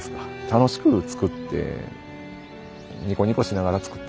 楽しく作ってニコニコしながら作っ